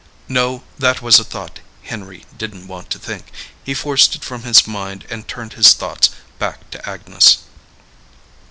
No, that was a thought Henry didn't want to think, he forced it from his mind and turned his thoughts back to Agnes.